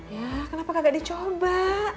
ya kenapa kagak dicoba